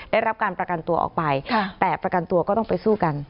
ได้รับการประกันตัวออกไปแต่ประกันตัวก็ต้องไปสู้กัน